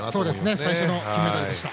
最初の金メダルでした。